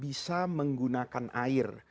bisa menggunakan air